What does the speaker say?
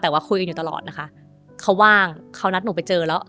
แต่ว่าคุยกันอยู่ตลอดนะคะเขาว่างเขานัดหนูไปเจอแล้ว